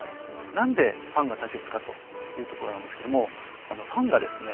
何でファンが大切かというところなんですけどもあのファンがですね